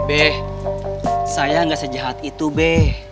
be saya gak sejahat itu be